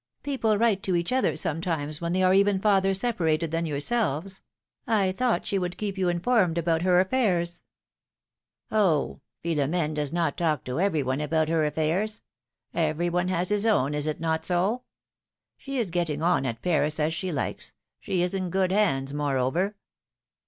people write to each other sometimes, when they are even farther separated than yourselves ; I thought she would keep you informed about her affairs/^ Oh ! Philom^ne does not talk to every one about her affairs ; every one has his own, is it not so ? She is getting on at Paris as she likes : she is in good hands, moreover.